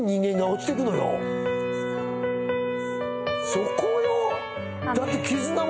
そこよ。